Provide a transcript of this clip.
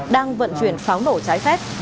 đang vận chuyển pháo nổ trái phép